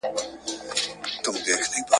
تیل او ګاز باید په خوندي ځای کې وي.